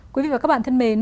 quý vị và các bạn thân mến